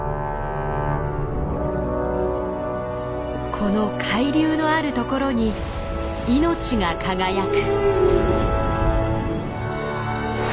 この海流のあるところに命が輝く。